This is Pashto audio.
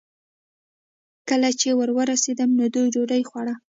کله چې ور ورسېدم، نو دوی ډوډۍ خوړه.